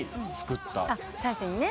最初にね。